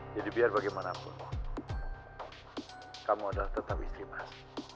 jadi biar bagaimanapun kamu adalah tetap istri mas